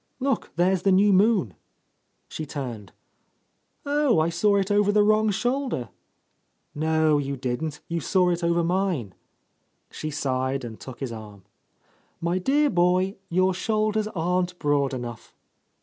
Look, there's the new moonl" She turned. "Oh, I saw it over the wrong shoulder I" "No you didn't. You saw it over mine." She sighed and took his arm. "My dear boy, your shoulders aren't broad enough."